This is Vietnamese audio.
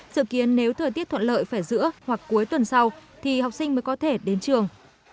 sự kiến nếu thời tiết thuận lợi phải giữa hoặc cuối tuần sau thì học sinh mới có thể đến trường